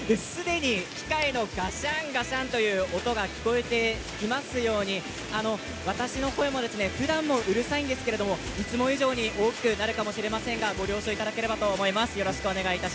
機械のガッシャンガッシャンという音が聞こえていますように私の声も、ふだんもうるさいんですけれどいつも以上に大きくなるかもしれませんがご了承いただきたいと思います。